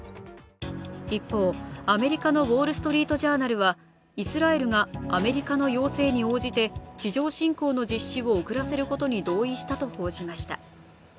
一方、アメリカの「ウォールストリート・ジャーナル」はイスラエルがアメリカの要請に応じて地上侵攻の実施を遅らせることに同意したと報じました。